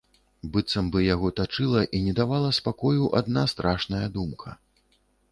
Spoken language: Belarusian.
Быццам бы яго тачыла і не давала спакою адна страшная думка.